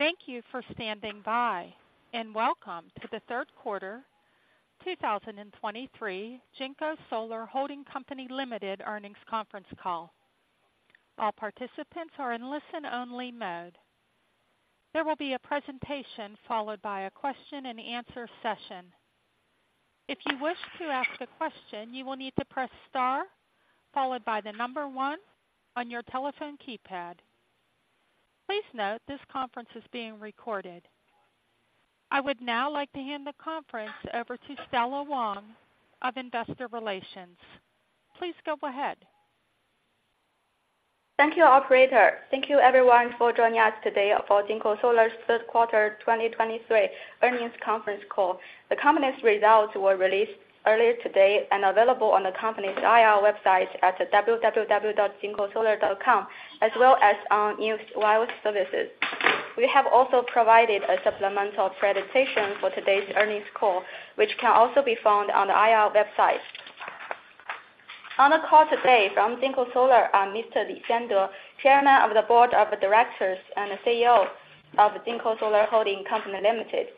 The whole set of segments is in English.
Thank you for standing by, and welcome to the Third Quarter 2023 JinkoSolar Holding Co., Ltd. Earnings Conference Call. All participants are in listen-only mode. There will be a presentation followed by a question-and-answer session. If you wish to ask a question, you will need to press star, followed by the number 1 on your telephone keypad. Please note, this conference is being recorded. I would now like to hand the conference over to Stella Wang of Investor Relations. Please go ahead. Thank you, operator. Thank you, everyone, for joining us today for JinkoSolar's third quarter 2023 earnings conference call. The company's results were released earlier today and available on the company's IR website at www.jinkosolar.com, as well as on news wire services. We have also provided a supplemental presentation for today's earnings call, which can also be found on the IR website. On the call today from JinkoSolar are Mr. Li Xiande, Chairman of the Board of Directors and CEO of the JinkoSolar Holding Company Limited;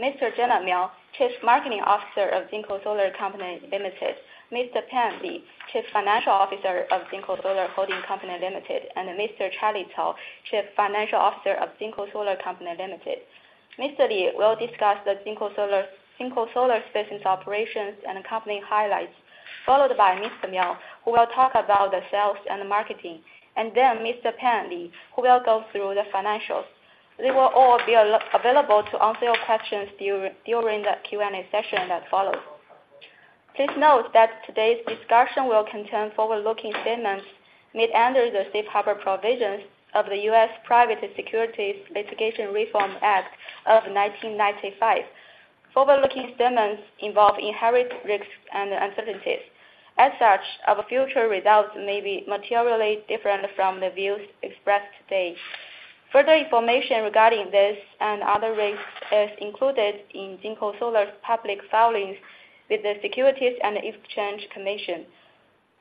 Mr. Gener Miao, Chief Marketing Officer of JinkoSolar Company Limited; Mr. Pan Li, Chief Financial Officer of the JinkoSolar Holding Company Limited; and Mr. Charlie Cao, Chief Financial Officer of JinkoSolar Company Limited. Mr. Li will discuss JinkoSolar's business operations and company highlights, followed by Mr. Miao, who will talk about the sales and marketing, and then Mr. Pan Li, who will go through the financials. They will all be available to answer your questions during the Q&A session that follows. Please note that today's discussion will contain forward-looking statements made under the Safe Harbor Provisions of the U.S. Private Securities Litigation Reform Act of 1995. Forward-looking statements involve inherent risks and uncertainties. As such, our future results may be materially different from the views expressed today. Further information regarding this and other risks is included in JinkoSolar's public filings with the Securities and Exchange Commission.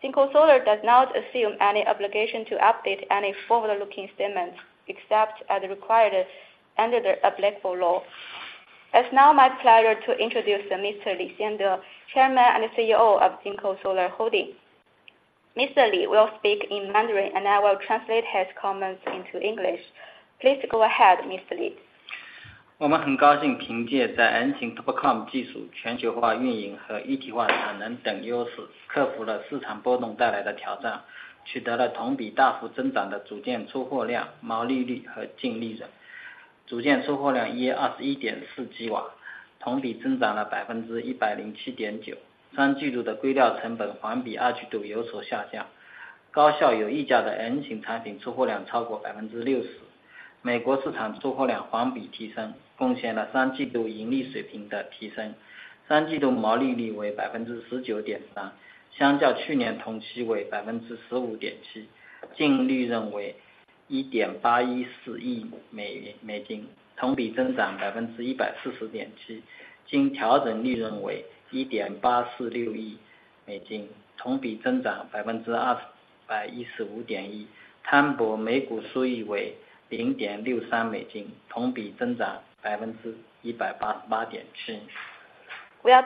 JinkoSolar does not assume any obligation to update any forward-looking statements except as required under the applicable law. It's now my pleasure to introduce Mr. Li Xiande, Chairman and CEO of JinkoSolar Holding. Mr. Li will speak in Mandarin, and I will translate his comments into English. Please go ahead, Mr. Li. We are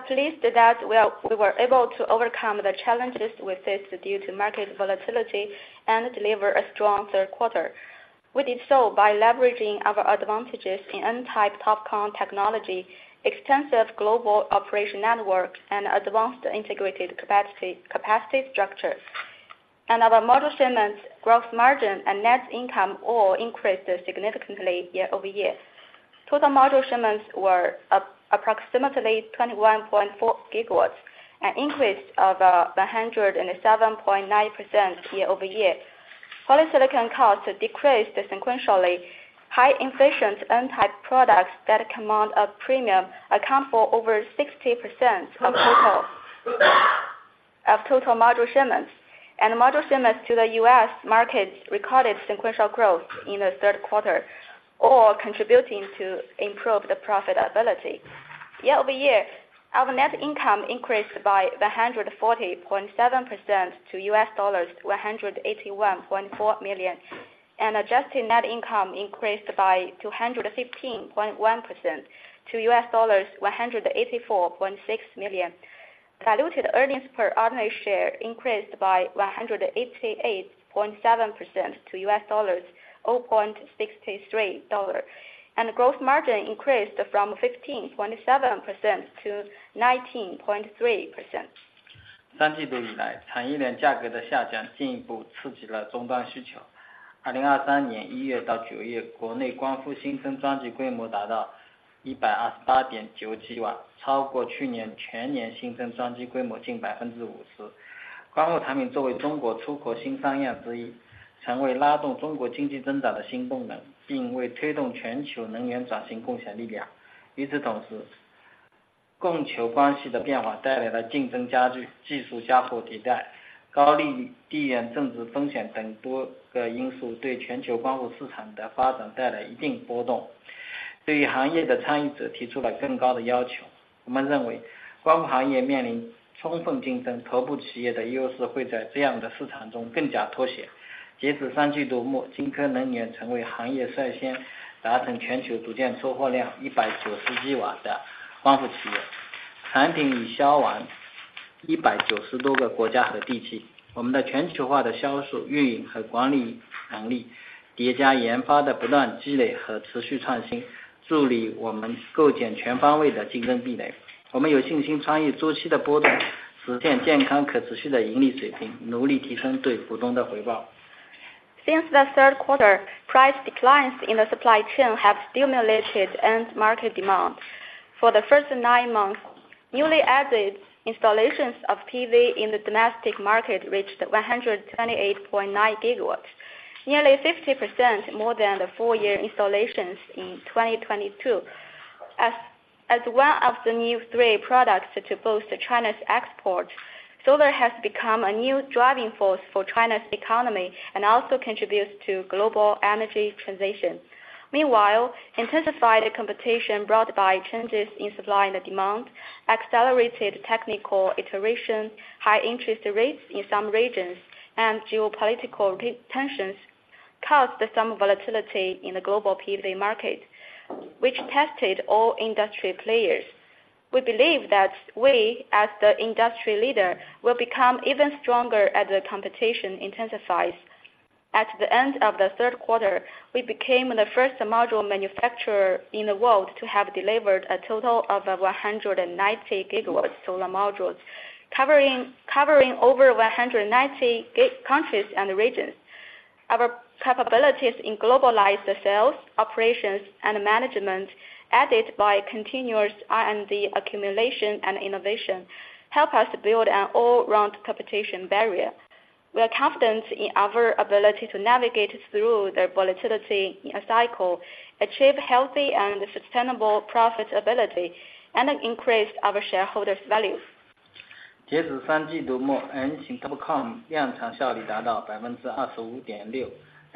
pleased that we were able to overcome the challenges we faced due to market volatility and deliver a strong third quarter. We did so by leveraging our advantages in N-type TOPCon technology, extensive global operation network, and advanced integrated capacity, capacity structures. Our module shipments, gross margin, and net income all increased significantly year-over-year. Total module shipments were approximately 21.4 GW, an increase of 107.9% year-over-year. Polysilicon costs decreased sequentially. High efficient N-type products that command a premium account for over 60% of total module shipments. Module shipments to the U.S. market recorded sequential growth in the third quarter, all contributing to improve the profitability. Year-over-year, our net income increased by 140.7% to $181.4 million. Adjusted net income increased by 215.1% to $184.6 million. Diluted earnings per ordinary share increased by 188.7% to $0.63. Gross margin increased from 15.7% to 19.3%. 第三季度以来，产业链价格的下降进一步刺激了终端需求。2023年1月到9月，国内光伏新增装机规模达到128.9吉瓦，超过去年全年新增装机规模近50%。光伏产品作为中国出口新三样之一，成为拉动中国经济增长的新动能，并为推动全球能源转型贡献力量。与此同时，供求关系的变化带来了竞争加剧，技术加速迭代、高度地缘政治风险等多个因素对全球光伏市场的发展带来一定波动。Since the third quarter, price declines in the supply chain have stimulated end market demand. For the first nine months, newly added installations of PV in the domestic market reached 128.9 GW, nearly 50% more than the full year installations in 2022. As one of the new three products to boost China's export, solar has become a new driving force for China's economy and also contributes to global energy transition. Meanwhile, intensified competition brought by changes in supply and demand, accelerated technical iteration, high interest rates in some regions and geopolitical tensions caused some volatility in the global PV market, which tested all industry players. We believe that we, as the industry leader, will become even stronger as the competition intensifies. At the end of the third quarter, we became the first module manufacturer in the world to have delivered a total of 190 GW solar modules. Covering over 190 countries and regions. Our capabilities in globalized sales, operations and management, added by continuous R&D, accumulation and innovation, help us build an all-round competition barrier. We are confident in our ability to navigate through the volatility in a cycle, achieve healthy and sustainable profitability, and increase our shareholders values.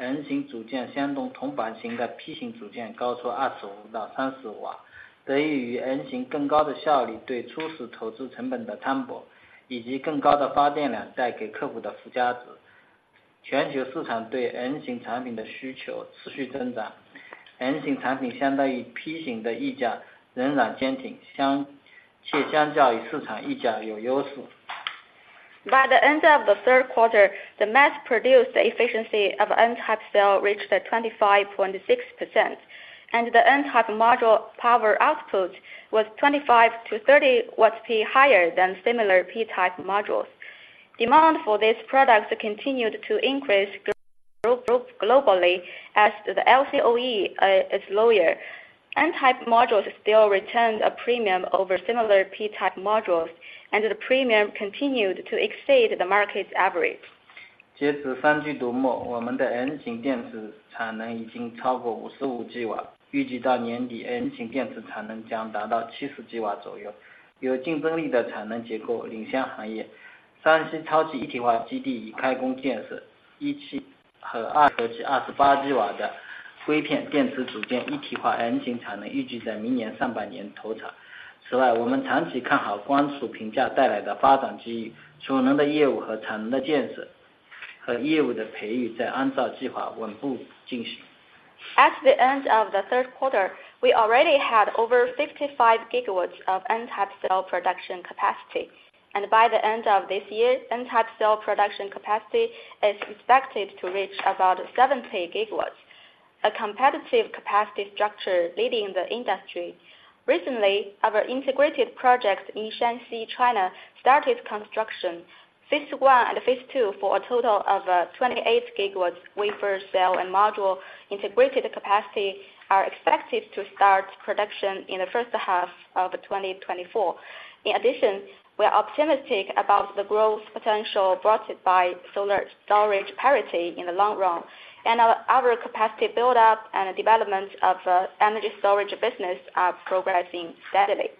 截至三季度末，N-type TOPCon量产效率达到25.6%，N-type组件相当于同版型的P-type组件高出25-30 W，受益于N-type更高的效率，对初始投资成本的摊薄，以及更高的发电量带给客户的附加值。全球市场对N-type产品的需求持续增长，N-type产品相对于P-type的溢价仍然坚挺，而且相较于市场溢价有优势。By the end of the third quarter, the mass-produced efficiency of N-type cell reached 25.6%, and the N-type module power output was 25-30 watts higher than similar P-type modules. Demand for these products continued to increase globally as the LCOE is lower. N-type modules still retained a premium over similar P-type modules, and the premium continued to exceed the market's average. 截至三季度末，我们的N型电池产能已经超过55 GW，预计到年底，N型电池产能将达到70 GW左右，有竞争力的产能结构领先行业。山西超级一体化基地已开工建设，一期和二期28 GW的硅片电池组件一体化N型产能，预计在明年上半年投产。此外，我们长期看好光储平价带来的发展机遇，储能的业务和产能的建设和业务的培育，在按照计划稳步进行。At the end of the third quarter, we already had over 55 GW of N-type cell production capacity, and by the end of this year, N-type cell production capacity is expected to reach about 70 GW. A competitive capacity structure leading the industry. Recently, our integrated project in Shanxi, China, started construction. Phase one and phase two for a total of 28 GW wafer cell and module integrated capacity are expected to start production in the first half of 2024. In addition, we are optimistic about the growth potential brought by solar storage parity in the long run, and our, our capacity build up and development of energy storage business are progressing steadily.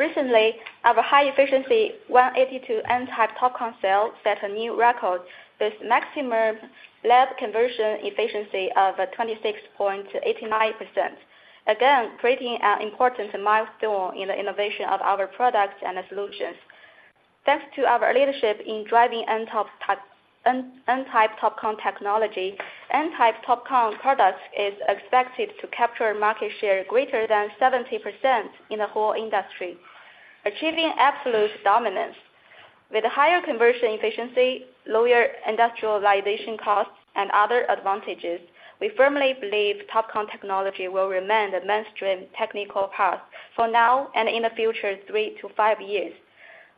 Recently, our high efficiency 182 N-type TOPCon cell set a new record with maximum lab conversion efficiency of 26.89%. Again, creating an important milestone in the innovation of our products and solutions. Thanks to our leadership in driving N-type TOPCon technology, N-type TOPCon products is expected to capture market share greater than 70% in the whole industry... achieving absolute dominance. With higher conversion efficiency, lower industrialization costs, and other advantages, we firmly believe TOPCon technology will remain the mainstream technical path for now and in the future 3-5 years.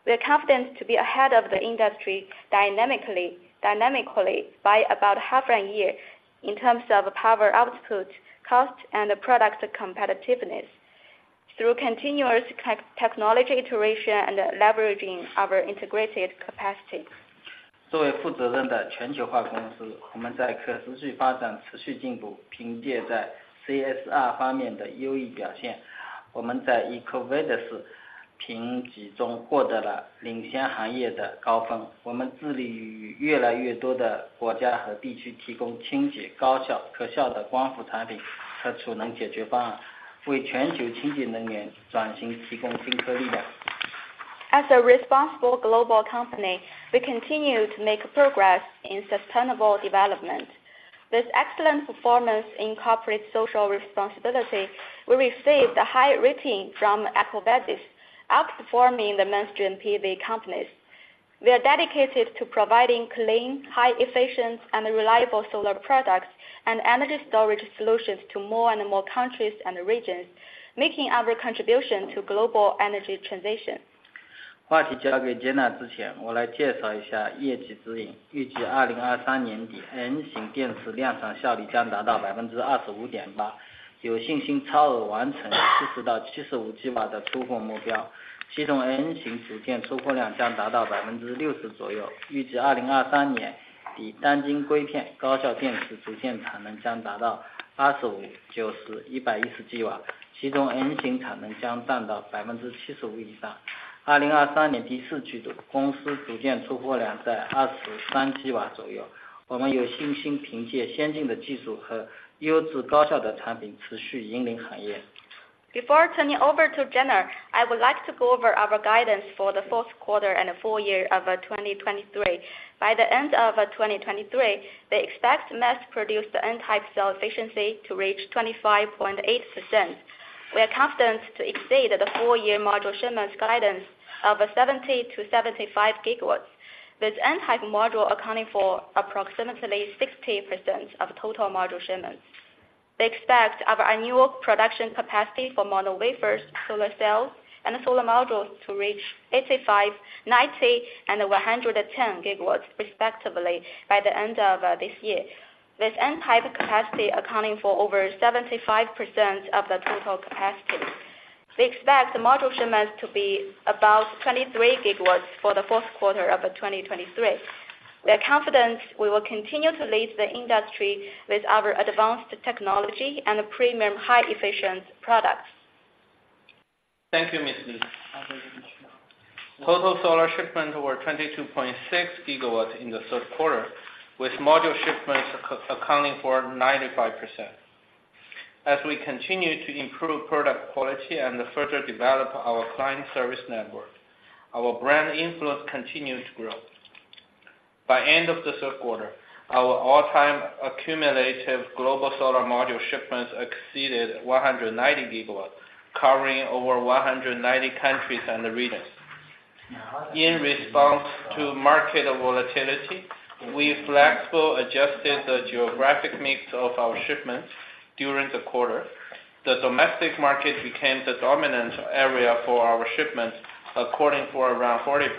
We are confident to be ahead of the industry dynamically by about half a year in terms of power output, cost, and product competitiveness through continuous technology iteration and leveraging our integrated capacity. As a responsible global company, we continue to make progress in sustainable development. With excellent performance in corporate social responsibility, we received a high rating from EcoVadis, outperforming the mainstream PV companies. We are dedicated to providing clean, high efficient, and reliable solar products and energy storage solutions to more and more countries and regions, making our contribution to global energy transition. Before turning over to Gener, I would like to go over our guidance for the fourth quarter and full year of 2023. By the end of 2023, we expect mass-produced the N-type cell efficiency to reach 25.8%. We are confident to exceed the full year module shipments guidance of 70-75 GW, with N-type module accounting for approximately 60% of total module shipments. We expect our annual production capacity for mono wafers, solar cells, and solar modules to reach 85, 90, and 110 GW respectively by the end of this year, with N-type capacity accounting for over 75% of the total capacity. We expect the module shipments to be about 23 GW for the fourth quarter of 2023. We are confident we will continue to lead the industry with our advanced technology and premium high-efficient products. Thank you, Ms. Li. Total solar shipments were 22.6 GW in the third quarter, with module shipments accounting for 95%. As we continue to improve product quality and further develop our client service network, our brand influence continued to grow. By end of the third quarter, our all-time accumulative global solar module shipments exceeded 190 GW, covering over 190 countries and regions. In response to market volatility, we flexibly adjusted the geographic mix of our shipments during the quarter. The domestic market became the dominant area for our shipments, accounting for around 40%.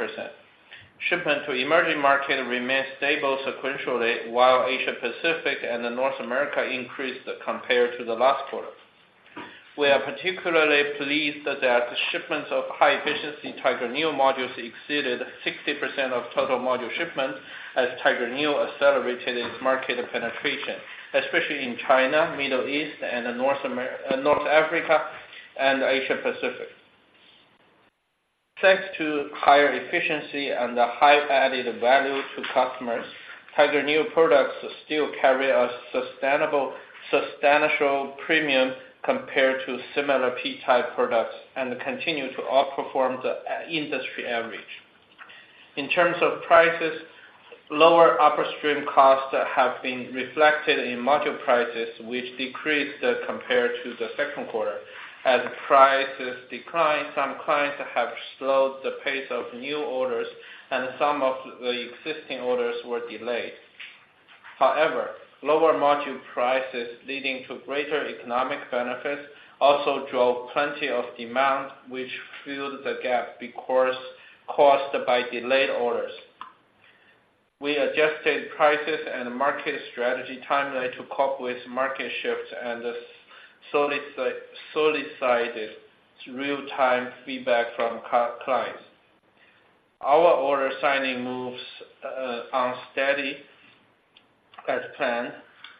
Shipment to emerging market remained stable sequentially, while Asia Pacific and the North America increased compared to the last quarter. We are particularly pleased that the shipments of high-efficiency Tiger Neo modules exceeded 60% of total module shipments, as Tiger Neo accelerated its market penetration, especially in China, Middle East, and North Africa, and Asia Pacific. Thanks to higher efficiency and the high added value to customers, Tiger Neo products still carry a substantial premium compared to similar P-type products and continue to outperform the industry average. In terms of prices, lower upstream costs have been reflected in module prices, which decreased compared to the second quarter. As prices decline, some clients have slowed the pace of new orders, and some of the existing orders were delayed. However, lower module prices leading to greater economic benefits also drove plenty of demand, which filled the gap caused by delayed orders. We adjusted prices and market strategy timely to cope with market shifts and solicited real-time feedback from clients. Our order signing moves on steady as planned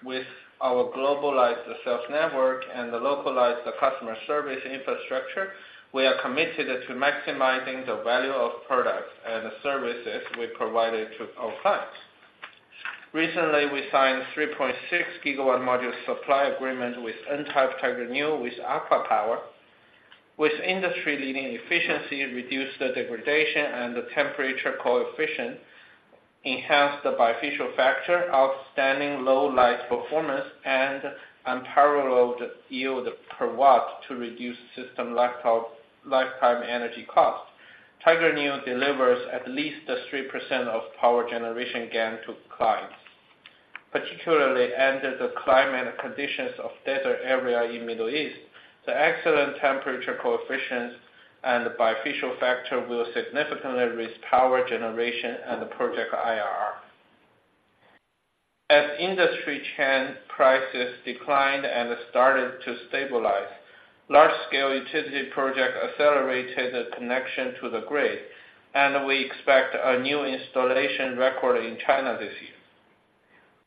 with our globalized sales network and the localized customer service infrastructure. We are committed to maximizing the value of products and the services we provided to our clients. Recently, we signed 3.6 GW module supply agreement with N-type Tiger Neo with ACWA Power. With industry-leading efficiency, reduced the degradation and the temperature coefficient enhance the bifacial factor, outstanding low light performance, and unparalleled yield per watt to reduce system LCOE lifetime energy cost. Tiger Neo delivers at least 3% of power generation gain to clients, particularly under the climate conditions of desert area in Middle East. The excellent temperature coefficients and the bifacial factor will significantly raise power generation and the project IRR. As industry chain prices declined and started to stabilize, large-scale utility project accelerated the connection to the grid, and we expect a new installation record in China this year.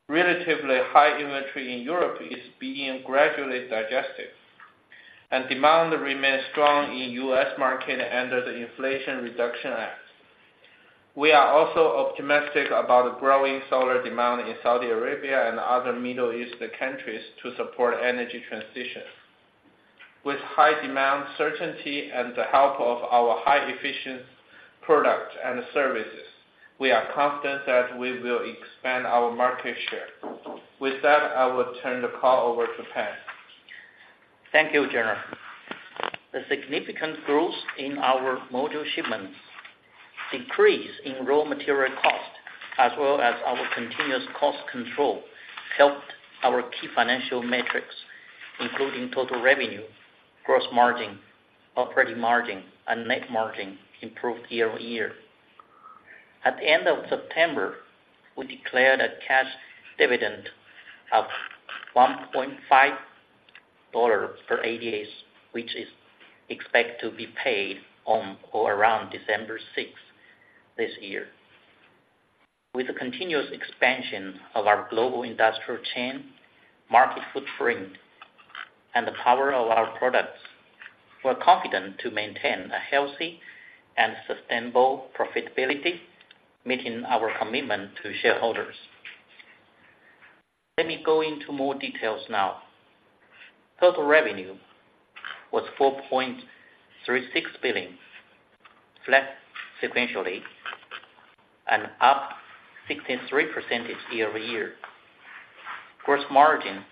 Relatively high inventory in Europe is being gradually digested, and demand remains strong in U.S. market under the Inflation Reduction Act. We are also optimistic about the growing solar demand in Saudi Arabia and other Middle Eastern countries to support energy transition. With high demand certainty and the help of our high efficient product and services, we are confident that we will expand our market share. With that, I will turn the call over to Pan. Thank you, Gener. The significant growth in our module shipments, decrease in raw material cost, as well as our continuous cost control, helped our key financial metrics, including total revenue, gross margin, operating margin, and net margin improved year-over-year. At the end of September, we declared a cash dividend of $1.5 per ADS, which is expected to be paid on or around December sixth this year. With the continuous expansion of our global industrial chain, market footprint, and the power of our products, we're confident to maintain a healthy and sustainable profitability, meeting our commitment to shareholders. Let me go into more details now. Total revenue was $4.36 billion, flat sequentially and up 16.3% year-over-year. Gross margin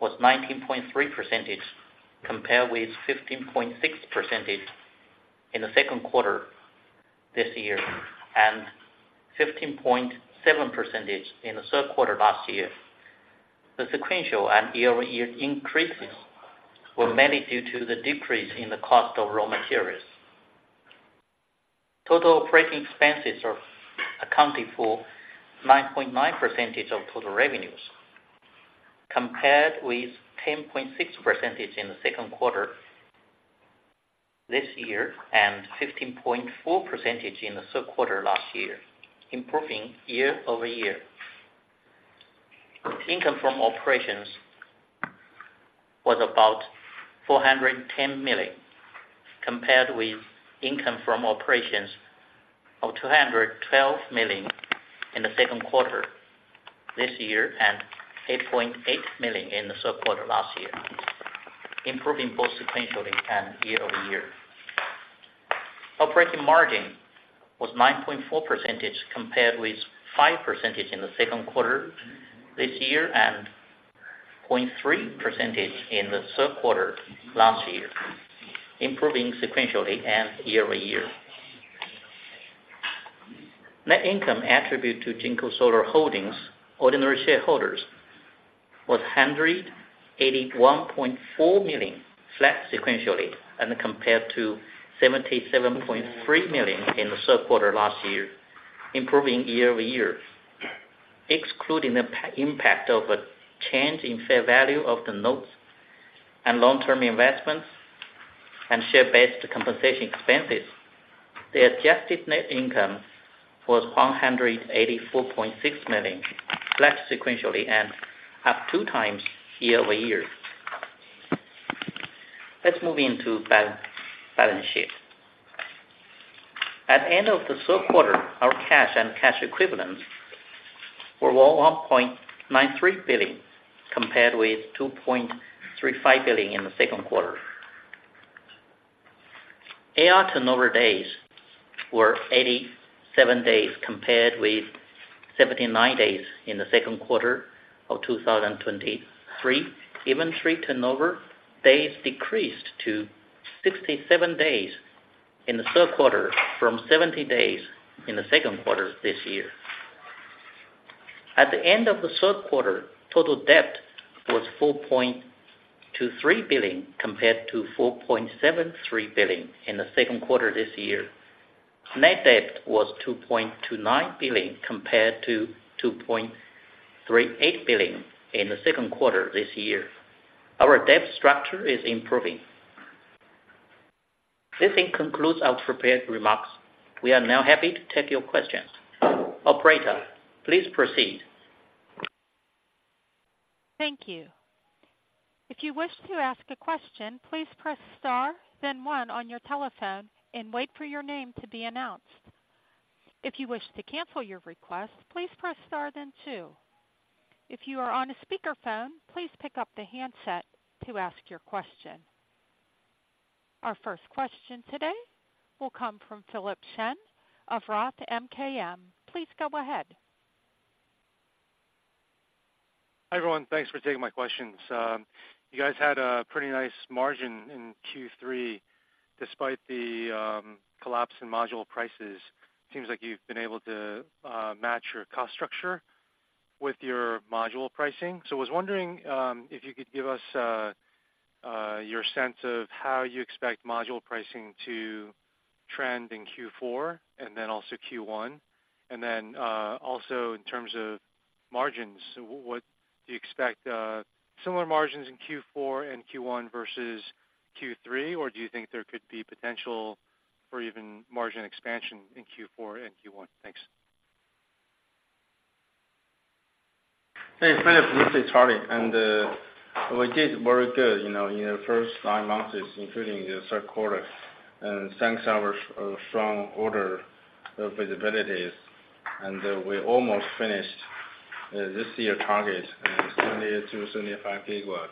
was 19.3%, compared with 15.6% in the second quarter this year, and 15.7% in the third quarter last year. The sequential and year-over-year increases were mainly due to the decrease in the cost of raw materials. Total operating expenses are accounted for 9.9% of total revenues, compared with 10.6% in the second quarter this year, and 15.4% in the third quarter last year, improving year-over-year. Income from operations was about $410 million, compared with income from operations of $212 million in the second quarter this year, and $8.8 million in the third quarter last year, improving both sequentially and year-over-year. Operating margin was 9.4%, compared with 5% in the second quarter this year, and 0.3% in the third quarter last year, improving sequentially and year-over-year. Net income attributable to JinkoSolar Holdings ordinary shareholders was $181.4 million, flat sequentially, and compared to $77.3 million in the third quarter last year, improving year-over-year. Excluding the impact of a change in fair value of the notes and long-term investments and share-based compensation expenses, the adjusted net income was $184.6 million, flat sequentially and up 2 times year-over-year. Let's move into balance sheet. At the end of the third quarter, our cash and cash equivalents were $1.93 billion, compared with $2.35 billion in the second quarter. AR turnover days were 87 days, compared with 79 days in the second quarter of 2023. Inventory turnover days decreased to 67 days in the third quarter from 70 days in the second quarter this year. At the end of the third quarter, total debt was $4.23 billion, compared to $4.73 billion in the second quarter this year. Net debt was $2.29 billion, compared to $2.38 billion in the second quarter this year. Our debt structure is improving. This concludes our prepared remarks. We are now happy to take your questions. Operator, please proceed. Thank you. If you wish to ask a question, please press star, then one on your telephone and wait for your name to be announced. If you wish to cancel your request, please press star, then two. If you are on a speakerphone, please pick up the handset to ask your question. Our first question today will come from Philip Shen of Roth MKM. Please go ahead. Hi, everyone. Thanks for taking my questions. You guys had a pretty nice margin in Q3 despite the collapse in module prices. Seems like you've been able to match your cost structure with your module pricing. So I was wondering if you could give us your sense of how you expect module pricing to trend in Q4, and then also Q1? And then also in terms of margins, what do you expect similar margins in Q4 and Q1 versus Q3, or do you think there could be potential for even margin expansion in Q4 and Q1? Thanks. Hey, Philip, this is Charlie. We did very good, you know, in the first nine months, including the third quarter, and thanks to our strong order visibilities, and we almost finished this year target, and 70-75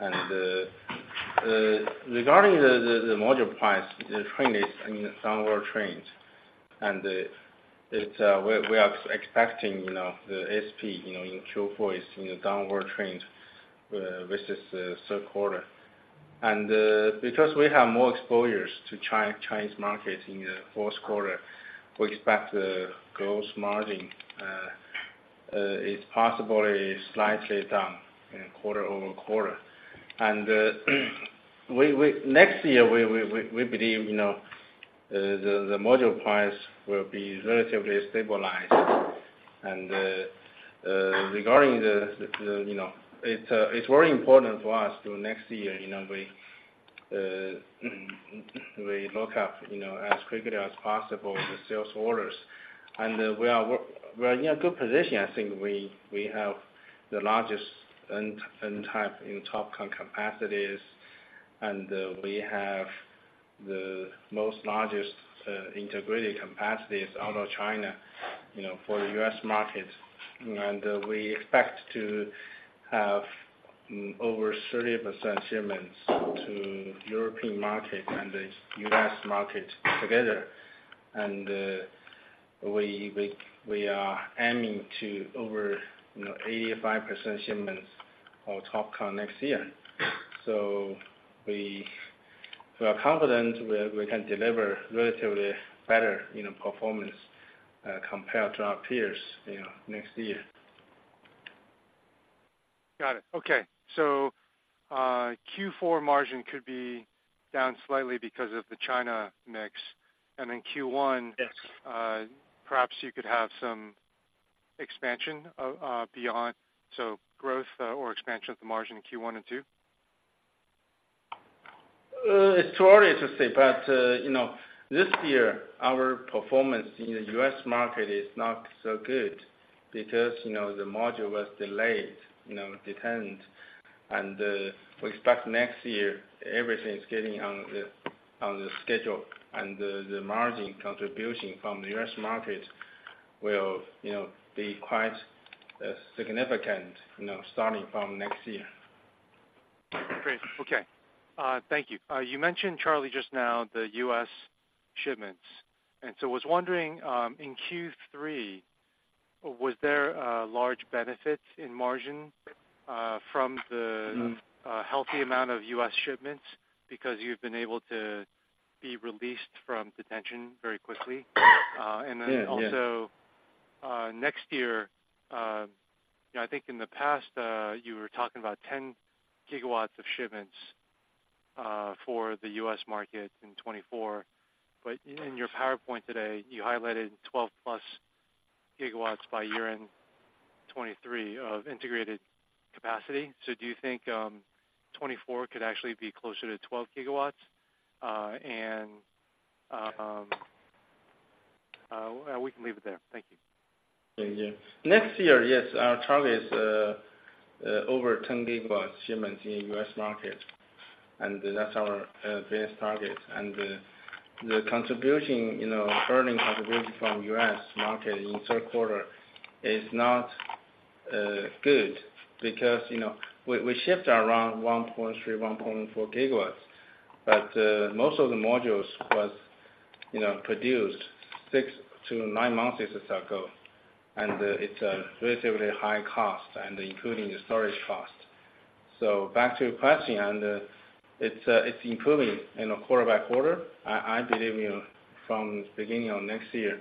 GW. Regarding the module price, the trend is in downward trend. We're expecting, you know, the SP, you know, in Q4 is in a downward trend versus the third quarter. Because we have more exposures to Chinese market in the fourth quarter, we expect the gross margin. It's possibly slightly down, you know, quarter-over-quarter. Next year, we believe, you know, the module price will be relatively stabilized. And, regarding the, the, you know, it's very important for us to next year, you know, we lock up, you know, as quickly as possible the sales orders. And, we're in a good position. I think we have the largest N-type TOPCon capacities, and we have the most largest integrated capacities out of China, you know, for the US market. And, we expect to have over 30% shipments to European market and the US market together. And, we are aiming to over, you know, 85% shipments of TOPCon next year. So we are confident we can deliver relatively better, you know, performance, compared to our peers, you know, next year. Got it. Okay. So, Q4 margin could be down slightly because of the China mix, and then Q1- Yes. Perhaps you could have some expansion beyond, so growth, or expansion of the margin in Q1 and Q2? It's too early to say, but, you know, this year, our performance in the US market is not so good because, you know, the module was delayed, you know, detained. And, we expect next year, everything is getting on the, on the schedule, and the, the margin contribution from the US market will, you know, be quite, significant, you know, starting from next year. Great. Okay. Thank you. You mentioned, Charlie, just now, the U.S. shipments. I was wondering, in Q3, was there large benefits in margin, from the- Mm. - healthy amount of U.S. shipments because you've been able to be released from detention very quickly? Yes, yes. And then also, next year, you know, I think in the past, you were talking about 10 GW of shipments for the U.S. market in 2024. Yes. But in your PowerPoint today, you highlighted 12+ GW by year-end 2023 of integrated capacity. So do you think, 2024 could actually be closer to 12 GW? We can leave it there. Thank you. Yeah, yeah. Next year, yes, our target is over 10 GW shipments in US market, and that's our base target. And the, the contribution, you know, earning contribution from US market in third quarter is not good because, you know, we, we shipped around 1.3-1.4 GW, but most of the modules was, you know, produced 6-9 months ago, and it's a relatively high cost and including the storage cost. So back to your question, and it's improving, you know, quarter by quarter. I, I believe, you know, from beginning of next year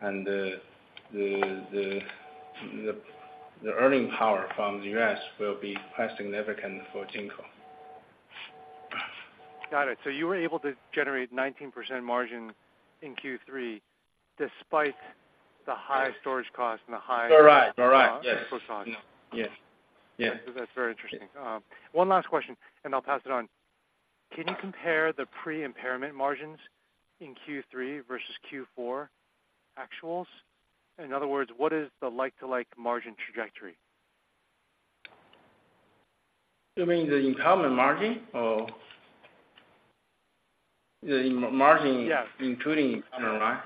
and the, the, the, the earning power from the US will be quite significant for Jinko. Got it. So you were able to generate 19% margin in Q3 despite the high storage cost and the high- All right. All right, yes. -cost on it? Yes. Yes. That's very interesting. One last question, and I'll pass it on: Can you compare the pre-impairment margins in Q3 versus Q4 actuals? In other words, what is the like-for-like margin trajectory? You mean the impairment margin or the margin? Yes. Including impairment, right?...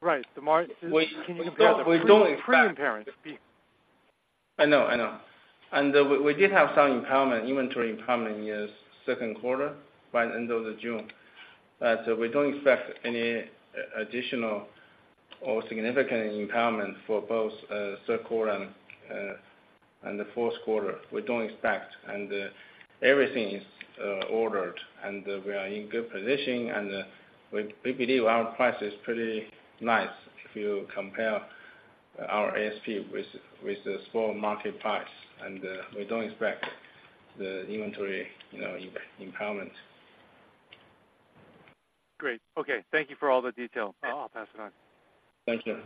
Right. The margin- We don't expect- Pre-impairment. I know, I know. And we did have some impairment, inventory impairment in the second quarter by the end of June. So we don't expect any additional or significant impairment for both third quarter and the fourth quarter. We don't expect, and everything is ordered, and we are in good position, and we believe our price is pretty nice if you compare our ASP with the small market price. And we don't expect the inventory, you know, impairment. Great. Okay. Thank you for all the detail. I'll pass it on. Thank you.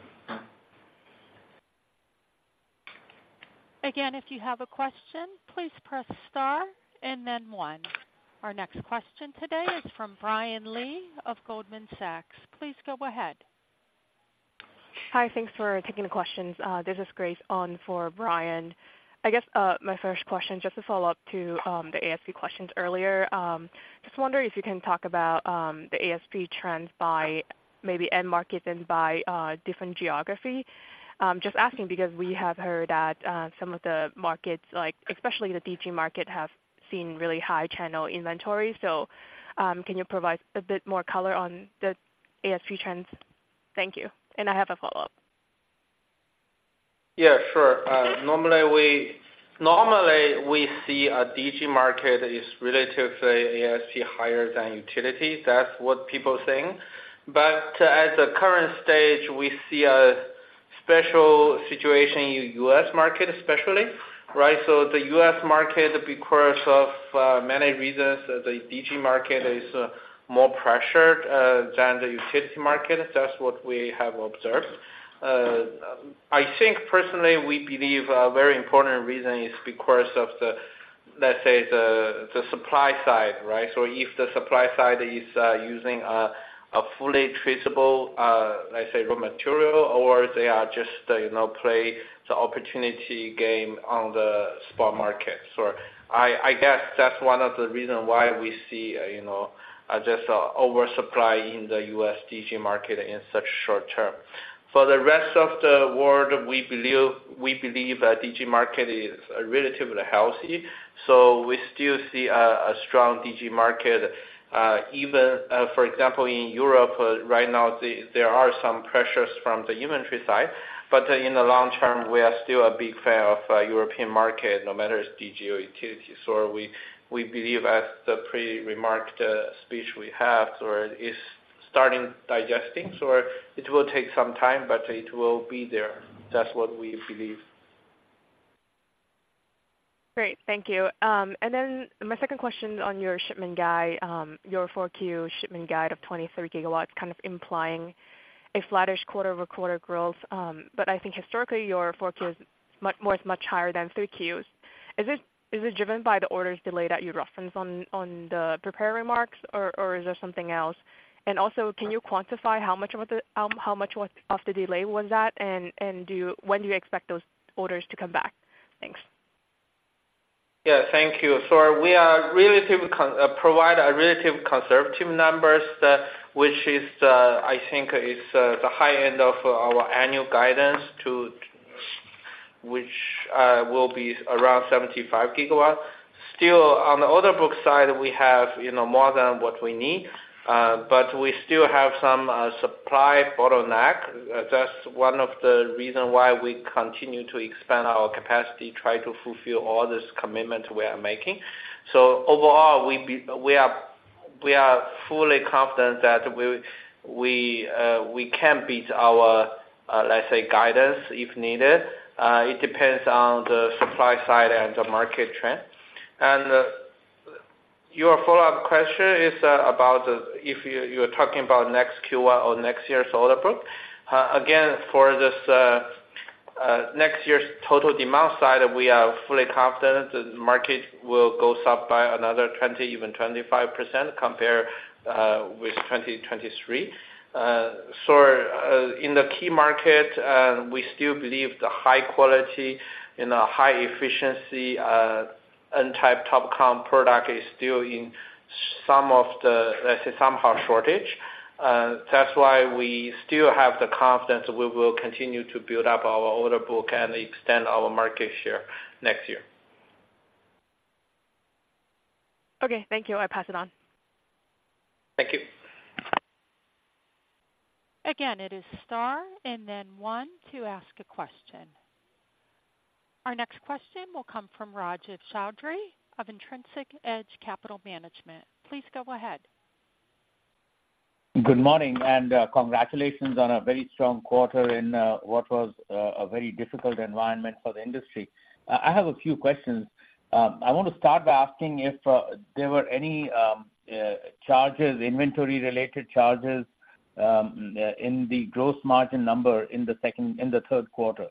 Again, if you have a question, please press star and then one. Our next question today is from Brian Lee of Goldman Sachs. Please go ahead. Hi, thanks for taking the questions. This is Grace on for Brian. I guess, my first question, just to follow up to, the ASP questions earlier. Just wondering if you can talk about, the ASP trends by maybe end markets and by, different geography. Just asking because we have heard that, some of the markets, like, especially the DG market, have seen really high channel inventory. So, can you provide a bit more color on the ASP trends? Thank you. And I have a follow-up. Yeah, sure. Normally, we see a DG market is relatively ASP higher than utility. That's what people think. But at the current stage, we see a special situation in U.S. market especially, right? So the U.S. market, because of many reasons, the DG market is more pressured than the utility market. That's what we have observed. I think personally, we believe a very important reason is because of the, let's say, the supply side, right? So if the supply side is using a fully traceable, let's say, raw material, or they are just, you know, play the opportunity game on the spot market. So I guess that's one of the reason why we see, you know, just a oversupply in the U.S. DG market in such short term. For the rest of the world, we believe, we believe that DG market is relatively healthy, so we still see a strong DG market. Even, for example, in Europe, right now, there are some pressures from the inventory side, but in the long term, we are still a big fan of European market, no matter it's DG or utility. So we, we believe as the pre-remarked speech we have, or is starting digesting, so it will take some time, but it will be there. That's what we believe. Great. Thank you. And then my second question on your shipment guide, your 4Q shipment guide of 23 GW, kind of implying a flattish quarter-over-quarter growth. But I think historically, your 4Q is much higher than 3Qs. Is it driven by the orders delayed as referenced in the prepared remarks, or is there something else? And also, can you quantify how much of the delay was that, and when do you expect those orders to come back? Thanks. Yeah, thank you. So we are relatively confident to provide a relatively conservative numbers, which is, I think is, the high end of our annual guidance to which will be around 75 GW. Still, on the order book side, we have, you know, more than what we need, but we still have some supply bottleneck. That's one of the reason why we continue to expand our capacity, try to fulfill all this commitment we are making. So overall, we are fully confident that we can beat our, let's say, guidance, if needed. It depends on the supply side and the market trend. Your follow-up question is about, if you are talking about next Q1 or next year's order book. Again, for this next year's total demand side, we are fully confident the market will go up by another 20, even 25% compared with 2023. So, in the key market, we still believe the high quality and the high efficiency N-type TOPCon product is still in some of the, let's say, somehow shortage. That's why we still have the confidence we will continue to build up our order book and extend our market share next year. Okay, thank you. I pass it on. Thank you. Again, it is star and then one to ask a question. Our next question will come from [Rajiv Chaudhri] of Intrinsic Edge Capital Management. Please go ahead. Good morning, and congratulations on a very strong quarter in what was a very difficult environment for the industry. I have a few questions. I want to start by asking if there were any charges, inventory-related charges, in the gross margin number in the third quarter?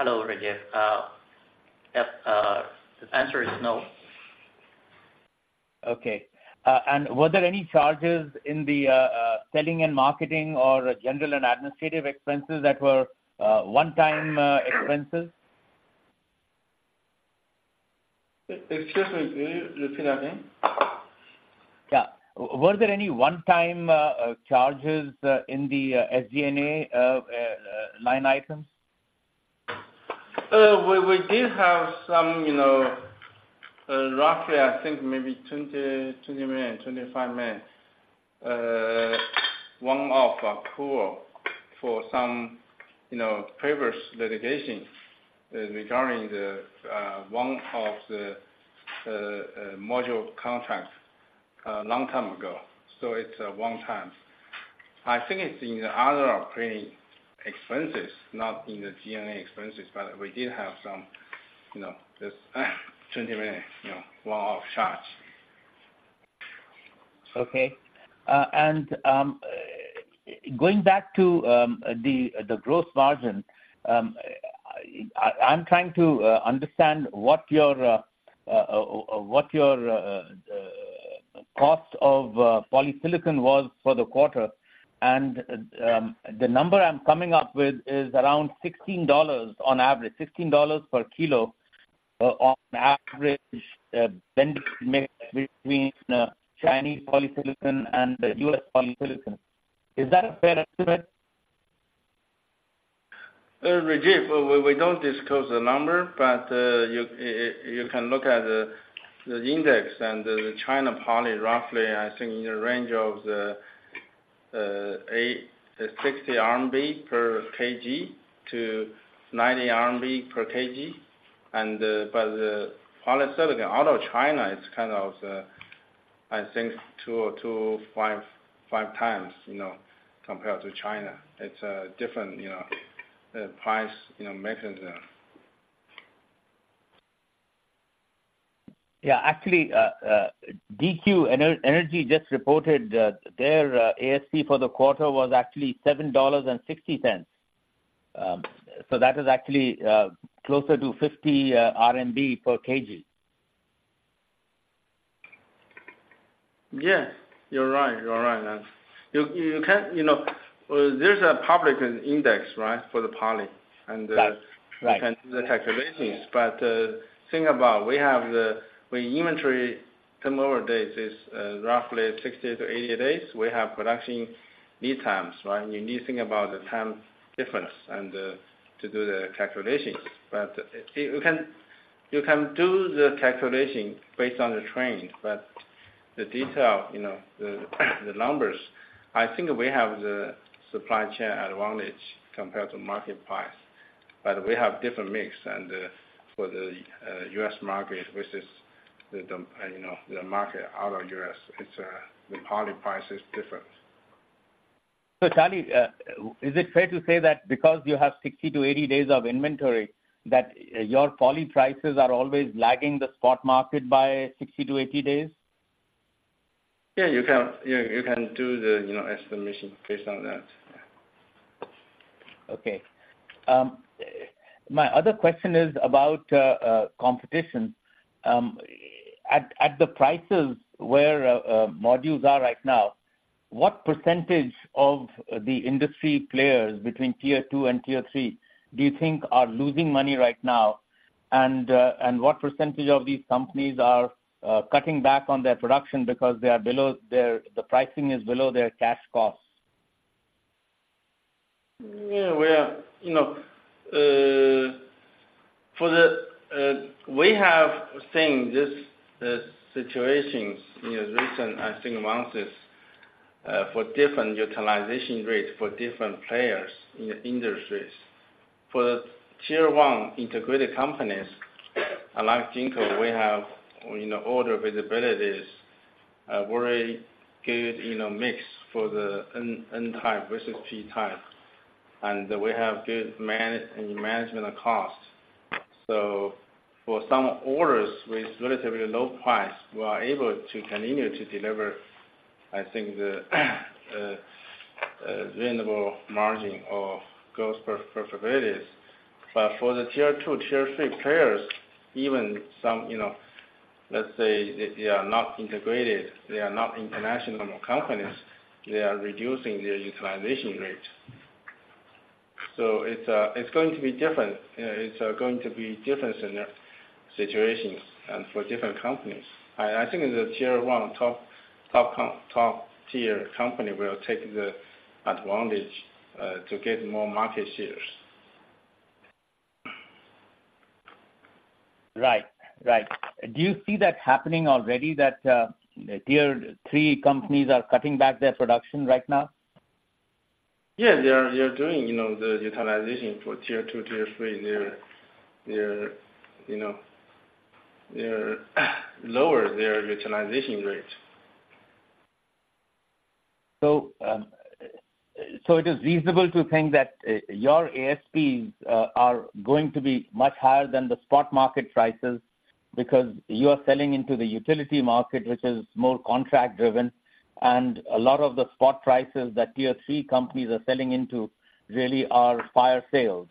Hello, Rajiv. Yep, the answer is no. Okay. And were there any charges in the selling and marketing or general and administrative expenses that were one-time expenses?... Excuse me, Rajiv, you say that again? Yeah. Were there any one-time charges in the SG&A line items? We did have some, you know, roughly I think maybe $20 million-$25 million one-off pool for some, you know, previous litigation regarding one of the module contracts long time ago. So it's one time. I think it's in the other operating expenses, not in the G&A expenses, but we did have some, you know, just $20 million, you know, one-off charge. Okay. And, going back to the growth margin, I'm trying to understand what your cost of polysilicon was for the quarter. And, the number I'm coming up with is around $16 on average, $16 per kilo, on average, blend between Chinese polysilicon and US polysilicon. Is that a fair estimate? Rajiv, we don't disclose the number, but you can look at the index and the China poly, roughly, I think, in the range of the 60 RMB per kg to 90 per kg. The polysilicon out of China is kind of, I think, 2 or 2.5 times, you know, compared to China. It's a different, you know, price, you know, mechanism. Yeah, actually, DQ Energy just reported that their ASP for the quarter was actually $7.60. So that is actually closer to 50 RMB per kg. Yeah, you're right. You're right, you can... You know, there's a public index, right, for the poly, and Right. You can do the calculations. But think about, we have the inventory turnover days is roughly 60-80 days. We have production lead times, right? You need to think about the time difference and to do the calculations. But you can do the calculation based on the trend, but the detail, you know, the numbers, I think we have the supply chain advantage compared to market price, but we have different mix and for the U.S. market, which is the, you know, the market out of U.S., it's the poly price is different. Charlie, is it fair to say that because you have 60-80 days of inventory, that your poly prices are always lagging the spot market by 60-80 days? Yeah, you can, yeah, you can do the, you know, estimation based on that. Okay. My other question is about competition. At the prices where modules are right now, what percentage of the industry players between tier two and tier three do you think are losing money right now? And what percentage of these companies are cutting back on their production because the pricing is below their cash costs? Yeah, well, you know, for the, we have seen this situations in recent, I think, months, for different utilization rates, for different players in the industries. For the tier one integrated companies, like Jinko, we have, you know, order visibilities, a very good, you know, mix for the N, N type versus P type, and we have good management cost. So for some orders with relatively low price, we are able to continue to deliver, I think, the, reasonable margin or gross profitabilities. But for the tier two, tier three players, even some, you know, let's say they are not integrated, they are not international companies, they are reducing their utilization rate. So it's, it's going to be different. It's going to be different in their situations and for different companies. I think in the tier one, top-tier company will take the advantage to get more market shares. Right. Right. Do you see that happening already, that Tier 3 companies are cutting back their production right now? Yeah, they are. They are doing, you know, the utilization for tier two, tier three. They're, you know, they're lowering their utilization rate. So, it is reasonable to think that your ASPs are going to be much higher than the spot market prices, because you are selling into the utility market, which is more contract-driven, and a lot of the spot prices that tier three companies are selling into really are fire sales?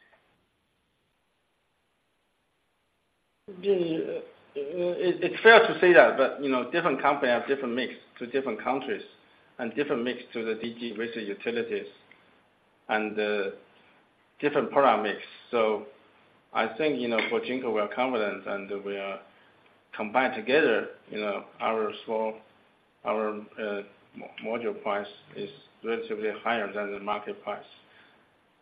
It's fair to say that, but, you know, different company have different mix to different countries and different mix to the DG versus utilities and the different product mix. So I think, you know, for Jinko, we are confident, and we are combined together, you know, our module price is relatively higher than the market price.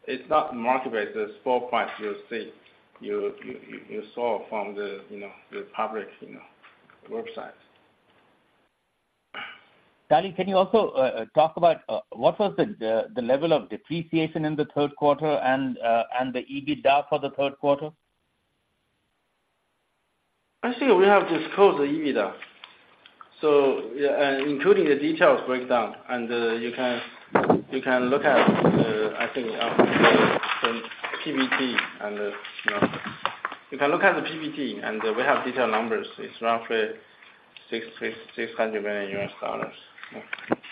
It's not market-based, it's full price, you'll see. You saw from the, you know, the public, you know, websites. Charlie, can you also talk about what was the level of depreciation in the third quarter and the EBITDA for the third quarter? I think we have disclosed the EBITDA, so, yeah, and including the details breakdown. And you can, you can look at, I think, from PBT and, you know. You can look at the PBT, and we have detailed numbers. It's roughly $600 million.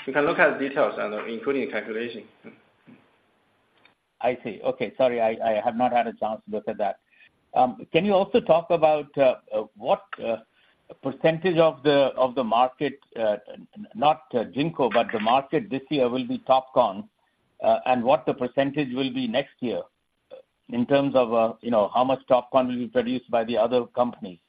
You can look at the details and including the calculation. I see. Okay. Sorry, I have not had a chance to look at that. Can you also talk about what percentage of the market, not Jinko, but the market this year will be TOPCon, and what the percentage will be next year in terms of, you know, how much TOPCon will be produced by the other companies?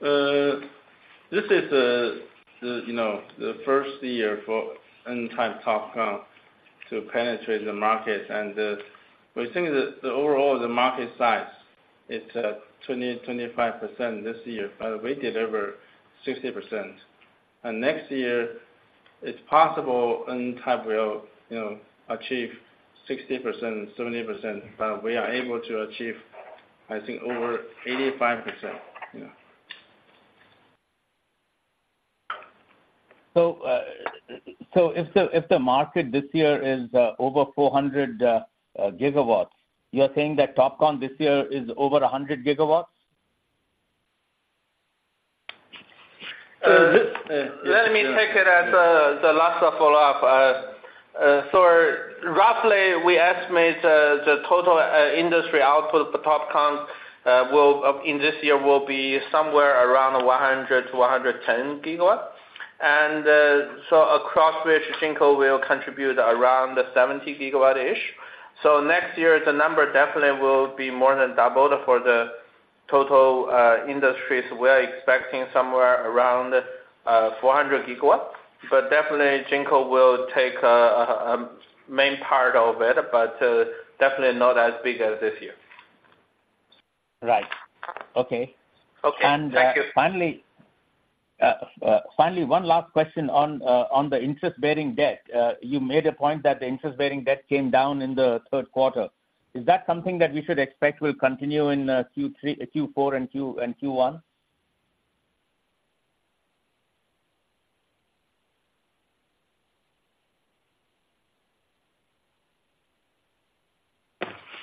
This is the, you know, the first year for N-type TOPCon to penetrate the market. We think that the overall market size is 25% this year, but we deliver 60%. Next year, it's possible N-type will, you know, achieve 60%-70%, but we are able to achieve, I think, over 85%, you know. So, if the market this year is over 400 gigawatts, you're saying that TOPCon this year is over 100 gigawatts? Uh, this- Let me take it as the last follow-up. So roughly, we estimate the total industry output for TOPCon will in this year be somewhere around 100-110 GW. And so across which Jinko will contribute around 70 GW-ish. So next year, the number definitely will be more than doubled for the total industries. We are expecting somewhere around 400 GW, but definitely Jinko will take a main part of it, but definitely not as big as this year. Right. Okay. Okay. Thank you. Finally, one last question on the interest-bearing debt. You made a point that the interest-bearing debt came down in the third quarter. Is that something that we should expect will continue in Q3, Q4, and Q1?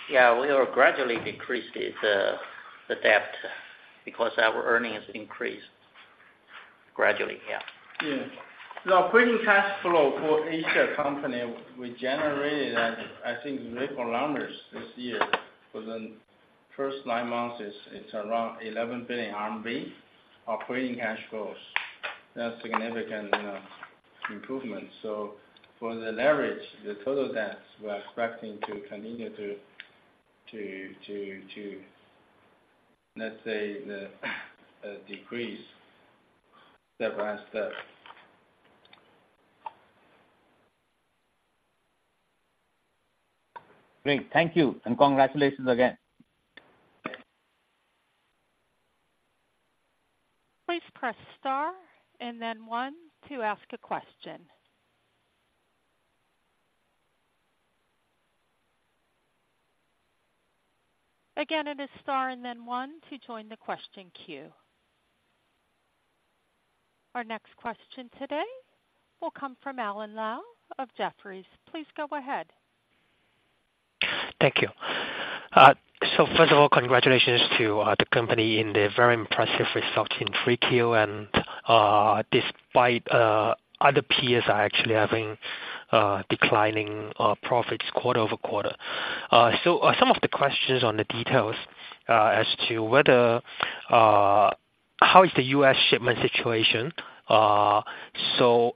Yeah, we will gradually decrease this, the debt, because our earnings increased gradually, yeah. Yeah. The operating cash flow for each company, we generated, I, I think, very good numbers this year. For the first nine months, it's around 11 billion RMB operating cash flows. That's significant, you know, improvement. So for the leverage, the total debts, we're expecting to continue to, let's say, decrease step by step. Great. Thank you, and congratulations again. Please press star and then one to ask a question. Again, it is star and then one to join the question queue. Our next question today will come from Alan Lau of Jefferies. Please go ahead. Thank you. So first of all, congratulations to the company in the very impressive results in 3Q, and despite other peers are actually having declining profits quarter over quarter. So some of the questions on the details as to whether... How is the U.S. shipment situation? So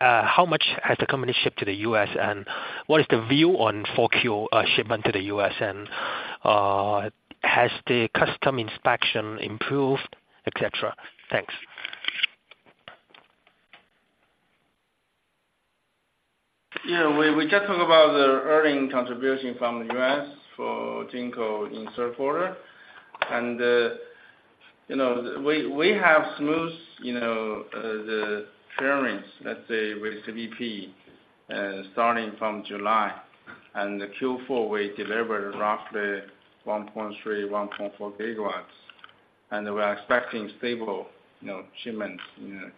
how much has the company shipped to the U.S., and what is the view on 4Q shipment to the U.S.? And has the customs inspection improved, et cetera? Thanks. Yeah, we just talked about the earning contribution from the U.S. for Jinko in third quarter. You know, we have smooth, you know, the clearance, let's say, with CBP, starting from July. In Q4, we delivered roughly 1.3, 1.4 gigawatts, and we're expecting stable, you know, shipments in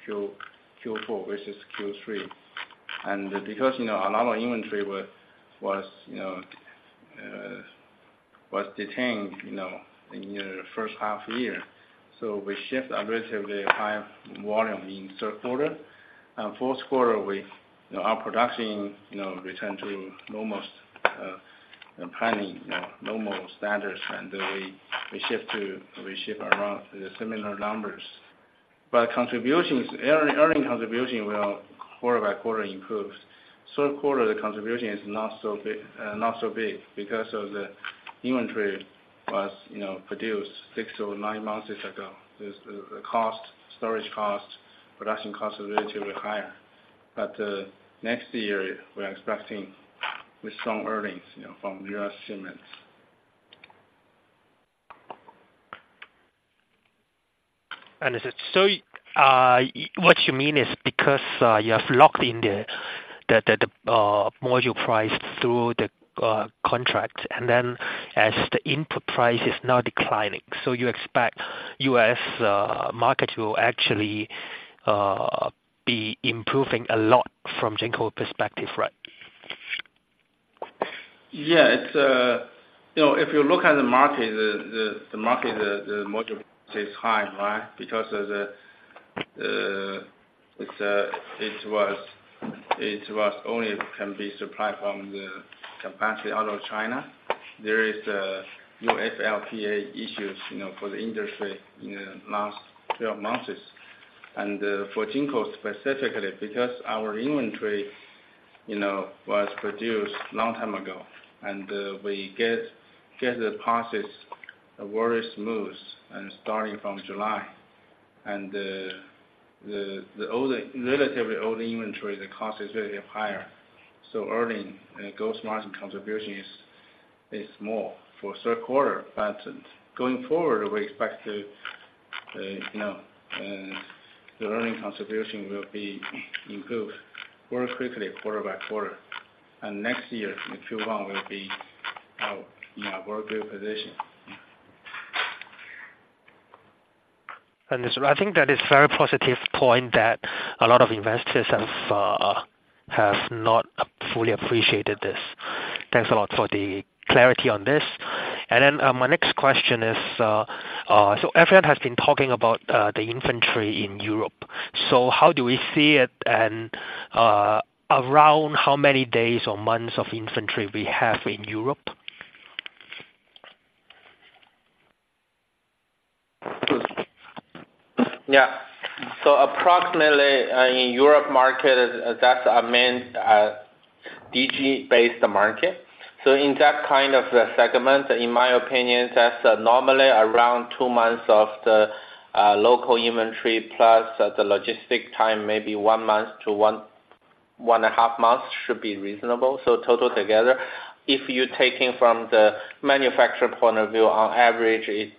Q4 versus Q3. Because, you know, a lot of inventory was, was, you know, was detained, you know, in the first half year, we shipped a relatively high volume in third quarter. In fourth quarter, our production, you know, returned to normal, planning, you know, normal standards, and we ship around the similar numbers. But contribution is, earnings, earnings contribution will quarter by quarter improve. Third quarter, the contribution is not so big, not so big because of the inventory was, you know, produced six or nine months ago. The cost, storage cost, production cost is relatively higher. But, next year, we are expecting with strong earnings, you know, from U.S. segments. Is it, so, what you mean is because you have locked in the module price through the contract, and then as the input price is now declining, so you expect U.S. market will actually be improving a lot from Jinko perspective, right? Yeah, it's a, you know, if you look at the market, the market, the module stays high, right? Because of the, it's a, it was only can be supplied from the capacity out of China. There is a new UFLPA issues, you know, for the industry in the last few months. And for Jinko specifically, because our inventory, you know, was produced long time ago, and we get the process very smooth and starting from July. And the older, relatively older inventory, the cost is relatively higher. So earning gross margin contribution is more for third quarter, but going forward, we expect to, you know, the earning contribution will be improved more quickly quarter by quarter. And next year, in Q1, we'll be in a very good position. I think that is very positive point that a lot of investors have not fully appreciated this. Thanks a lot for the clarity on this. And then, my next question is, so everyone has been talking about the inventory in Europe. So how do we see it? And around how many days or months of inventory we have in Europe? Yeah. So approximately in Europe market, that's our main DG-based market. So in that kind of a segment, in my opinion, that's normally around 2 months of the local inventory plus the logistic time, maybe 1 month to 1-1.5 months should be reasonable. So total together, if you're taking from the manufacturer point of view, on average, it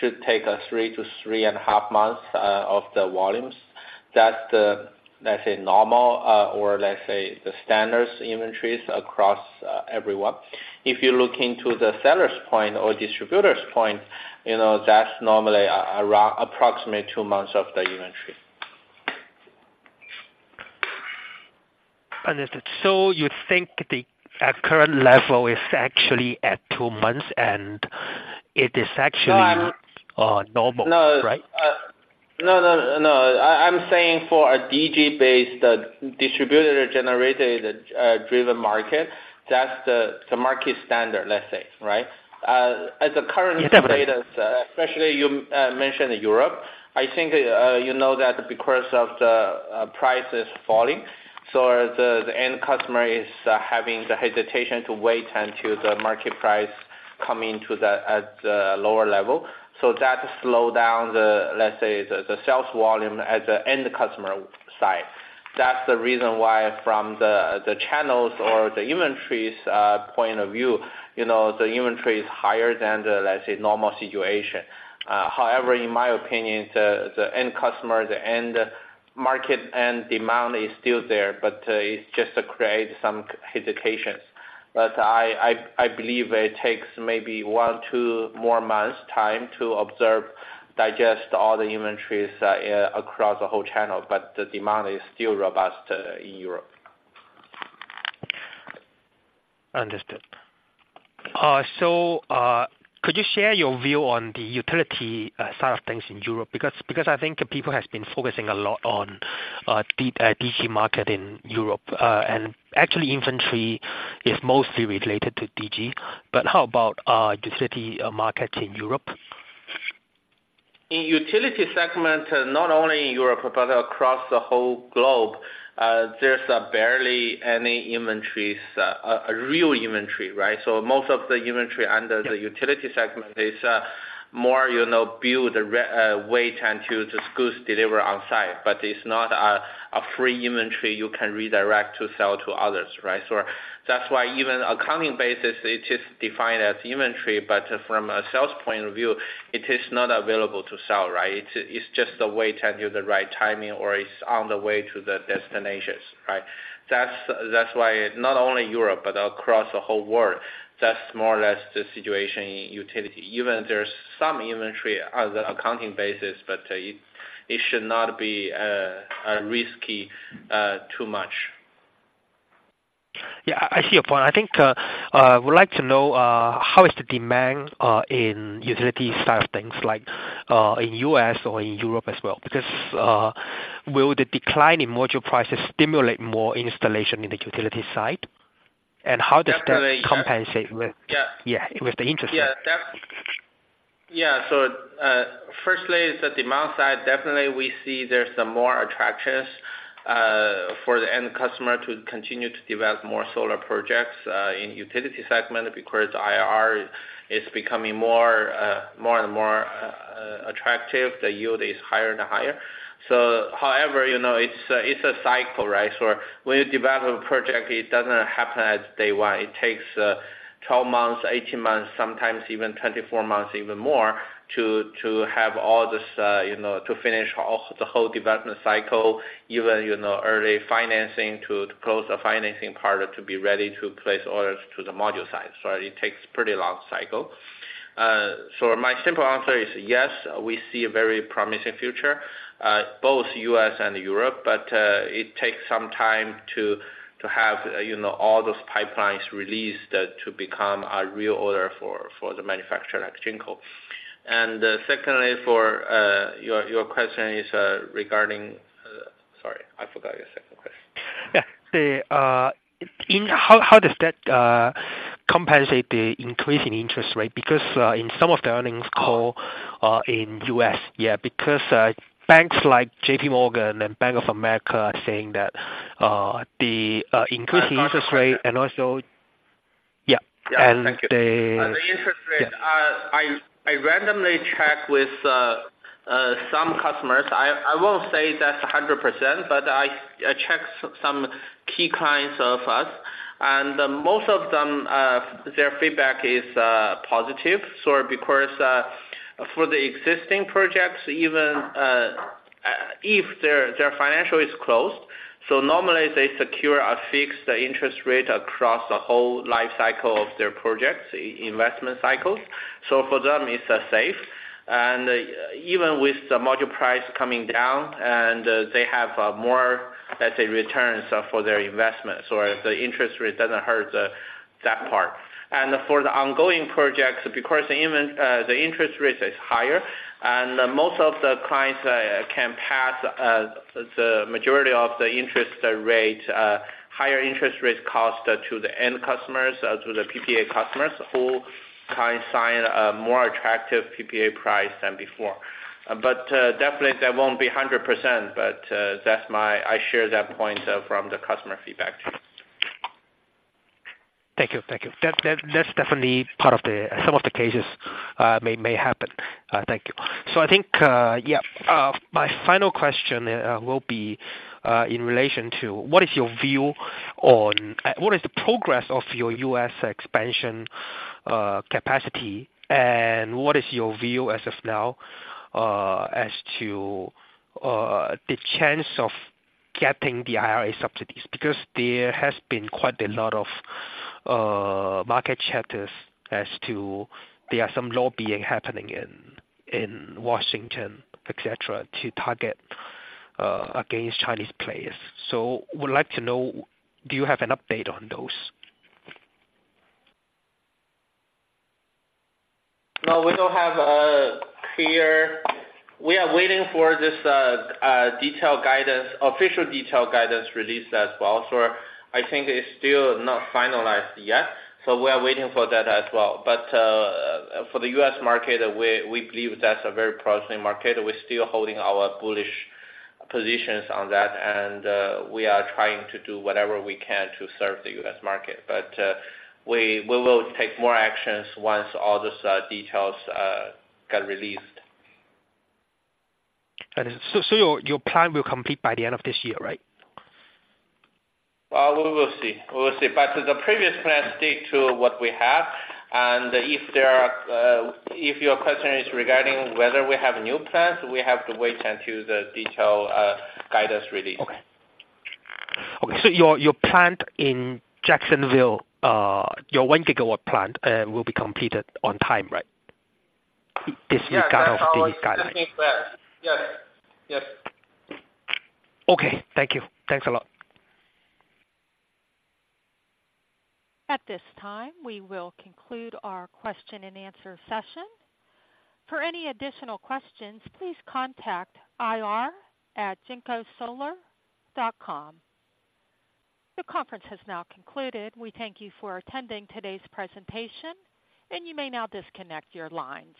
should take 3-3.5 months of the volumes. That's the, let's say, normal or let's say, the standards inventories across everyone. If you're looking to the seller's point or distributor's point, you know, that's normally around approximately 2 months of the inventory. Understood. So you think the, at current level is actually at two months, and it is actually- No, I'm- -uh, normal? No. Right? No, no, no. I'm saying for a DG-based, distributor-generated, driven market, that's the market standard, let's say, right? As a current- Definitely. Status, especially you mentioned Europe, I think, you know that because of the prices falling, so the end customer is having the hesitation to wait until the market price come into the at the lower level. So that slow down the, let's say, the sales volume at the end customer side. That's the reason why from the channels or the inventories point of view, you know, the inventory is higher than the, let's say, normal situation. However, in my opinion, the end customer, the end market and demand is still there, but it's just to create some hesitations. But I believe it takes maybe one, two more months time to observe, digest all the inventories across the whole channel, but the demand is still robust in Europe. Understood. Could you share your view on the utility side of things in Europe? Because I think people have been focusing a lot on DG, DG market in Europe. Actually, inventory is mostly related to DG, but how about the utility market in Europe? In utility segment, not only in Europe, but across the whole globe, there's barely any inventories, a real inventory, right? Most of the inventory under the utility segment is more, you know, build, wait until the goods deliver on site, but it's not a free inventory you can redirect to sell to others, right? That's why even accounting basis, it is defined as inventory, but from a sales point of view, it is not available to sell, right? It's just the way to do the right timing or it's on the way to the destinations, right? That's why not only Europe, but across the whole world, that's more or less the situation in utility. Even there's some inventory on the accounting basis, but it should not be risky too much. Yeah, I see your point. I think I would like to know how is the demand in utility side of things like in the U.S. or in Europe as well? Because will the decline in module prices stimulate more installation in the utility side? And how does that compensate with- Yeah. Yeah, with the interest rate? Yeah, that's. Yeah, so, firstly, it's the demand side. Definitely, we see there's some more attractions for the end customer to continue to develop more solar projects in utility segment, because IRR is becoming more and more attractive. The yield is higher and higher. So however, you know, it's a cycle, right? So when you develop a project, it doesn't happen at day one. It takes 12 months, 18 months, sometimes even 24 months, even more, to have all this, you know, to finish the whole development cycle, even, you know, early financing to close the financing part, to be ready to place orders to the module side. So it takes pretty long cycle. My simple answer is yes, we see a very promising future, both US and Europe, but it takes some time to have, you know, all those pipelines released to become a real order for the manufacturer, like Jinko. Secondly, your question is regarding... Sorry, I forgot your second question. Yeah. In how, how does that compensate the increase in interest rate? Because in some of the earnings call in the U.S., yeah, because banks like JPMorgan and Bank of America are saying that the increasing interest rate and also- Yeah. Yeah, and the- Thank you. The interest rate- Yeah. I randomly check with some customers. I won't say that's 100%, but I checked some key clients of us, and most of them, their feedback is positive. Because for the existing projects, even if their financial is closed, normally they secure a fixed interest rate across the whole life cycle of their projects, investment cycles. For them, it's safe. Even with the module price coming down, they have more, let's say, returns for their investments, or the interest rate doesn't hurt that part. For the ongoing projects, because even the interest rate is higher, and most of the clients can pass the majority of the interest rate higher interest rate cost to the end customers to the PPA customers, who sign a more attractive PPA price than before. But definitely that won't be 100%, but that's my... I share that point from the customer feedback. Thank you. Thank you. That's definitely part of the, some of the cases, may, may happen. Thank you. I think, yeah, my final question will be in relation to what is your view on... What is the progress of your U.S. expansion capacity? What is your view as of now as to the chance of getting the IRA subsidies? There has been quite a lot of market chapters as to there are some lobbying happening in Washington, et cetera, to target against Chinese players. Would like to know, do you have an update on those? No, we don't have a clear... We are waiting for this, detailed guidance, official detailed guidance release as well. I think it's still not finalized yet, we are waiting for that as well. For the U.S. market, we believe that's a very promising market. We're still holding our bullish positions on that, and we are trying to do whatever we can to serve the U.S. market. We will take more actions once all these details get released. So, your plan will complete by the end of this year, right? We will see. We will see. But the previous plans stick to what we have, and if there are, if your question is regarding whether we have new plans, we have to wait until the detailed, guidance release. Okay. Okay, so your, your plant in Jacksonville, your 1 GW plant, will be completed on time, right? Disregarding of these guidelines. Yes, yes. Okay. Thank you. Thanks a lot. At this time, we will conclude our question and answer session. For any additional questions, please contact ir@jinkosolar.com. The conference has now concluded. We thank you for attending today's presentation, and you may now disconnect your lines.